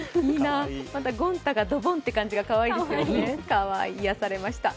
またゴン太がドボンという感じがいいですね、かわいい、癒やされました。